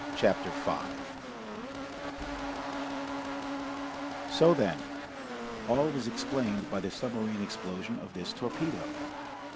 Chapter 5 So, then, all was explained by the submarine explosion of this torpedo.